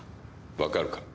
分かるか？